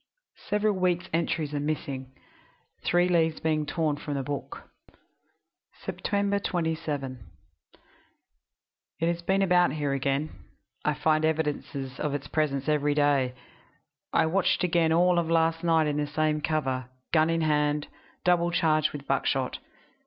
..." Several weeks' entries are missing, three leaves being torn from the book. "Sept. 27. It has been about here again I find evidences of its presence every day. I watched again all of last night in the same cover, gun in hand, double charged with buckshot.